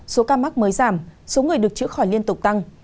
số ca mắc mới giảm số người được chữa khỏi liên tục tăng